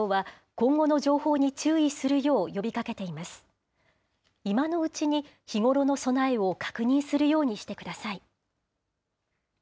今のうちに日頃の備えを確認するようにしてください。